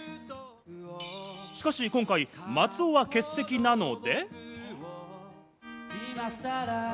しかし、今回松尾は欠席なので。